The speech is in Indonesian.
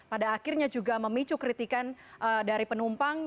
artinya juga memicu kritikan dari penumpang